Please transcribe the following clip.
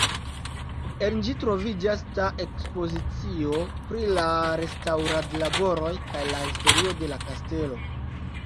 En ĝi troviĝas ta ekspozicio pri la restaŭradlaboroj kaj la historio de la kastelo.